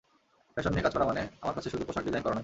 Fashion নিয়ে কাজ করা মানে আমার কাছে শুধু পোশাক ডিজাইন করা নয়।